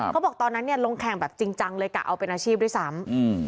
ตอนนั้นเนี่ยลงแข่งแบบจริงจังเลยกะเอาเป็นอาชีพด้วยซ้ำ